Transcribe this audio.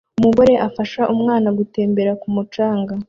Umugore afasha umwana gutembera ku mucanga